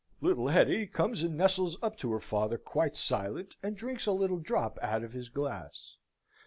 Little Hetty comes and nestles up to her father quite silent, and drinks a little drop out of his glass.